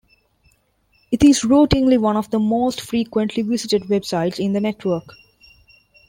It is routinely one of the most frequently visited websites in the network.